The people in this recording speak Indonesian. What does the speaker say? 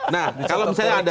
nah kalau misalnya anda